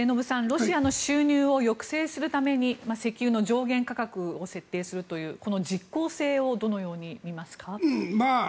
ロシアの収入を抑制するために石油の上限価格を設定するという実効性をどのように見ますか。